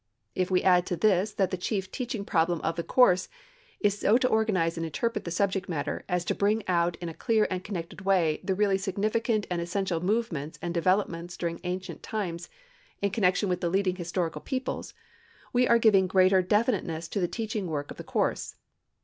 If we add to this that the chief teaching problem of the course is so to organize and interpret the subject matter as to bring out in a clear and connected way the really significant and essential movements and developments during ancient times in connection with the leading historical peoples, we are giving greater definiteness to the teaching work of the course.